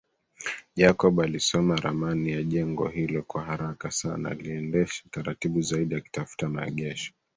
Jacob aliisoma ramani ya jengo hilo kwa haraka sana aliendesha taratibu zaidi akitafuta maegesho